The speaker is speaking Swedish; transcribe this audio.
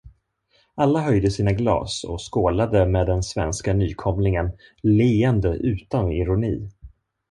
Alla höjde sina glas och skålade med den svenska nykomlingen, leende utan ironi.